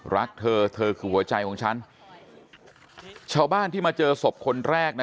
รักเธอเธอคือหัวใจของฉันชาวบ้านที่มาเจอศพคนแรกนะ